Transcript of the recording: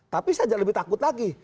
tapi saya jangan lebih takut lagi